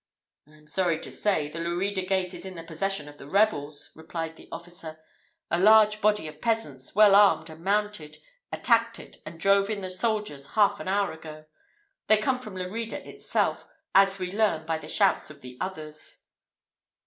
"I am sorry to say, the Lerida gate is in the possession of the rebels," replied the officer. "A large body of peasants, well armed and mounted, attacked it and drove in the soldiers half an hour ago. They come from Lerida itself, as we learn by the shouts of the others."